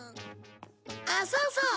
あっそうそう。